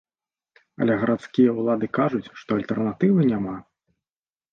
Але гарадскія ўлады кажуць, што альтэрнатывы няма.